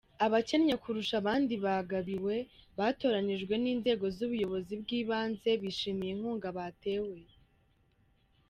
Abakennye kurusha abandi bagabiwe, batoranijwe n’inzego z’ubuyobozi bw’ibanze, bishimiye inkunga batewe .